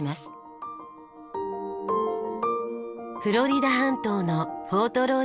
フロリダ半島のフォート